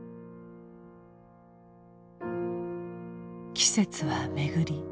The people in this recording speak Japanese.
季節は巡り